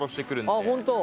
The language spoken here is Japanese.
ああ本当。